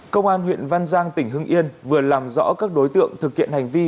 công an huyện văn giang tỉnh hưng yên vừa làm rõ các đối tượng thực hiện hành vi